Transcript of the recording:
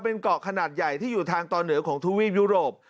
เป็นเกาะขนาดใหญ่ที่อยู่ทางตอนเหนือของทวีปยุโรป